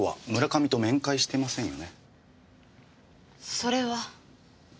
それは。